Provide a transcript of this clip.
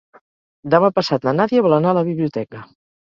Demà passat na Nàdia vol anar a la biblioteca.